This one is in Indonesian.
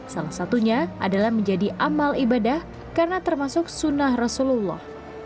salah satunya adalah menjadi amal ibadah karena termasuk sunnah rasulullah